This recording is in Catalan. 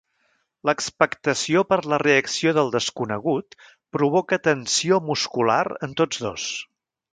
L'expectació per la reacció del desconegut provoca tensió muscular en tots dos.